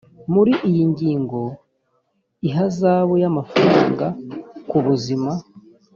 muri iyi ngingo ihazabu y amafaranga kubuzima